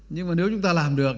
nhưng mà nếu chúng ta làm được